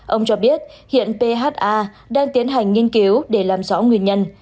ông cho biết hiện pha đang tiến hành nghiên cứu để làm rõ nguyên nhân